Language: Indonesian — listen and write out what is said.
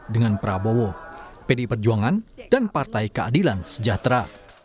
dengan prabowo pdi perjuangan dan partai keadilan sejahtera